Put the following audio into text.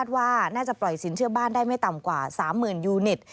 ว่าน่าจะปล่อยสินเชื่อบ้านได้ไม่ต่ำกว่า๓๐๐๐ยูนิต